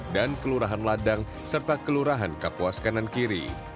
dan kelurahan ladang serta kelurahan kapuas kanan kiri